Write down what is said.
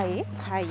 はい。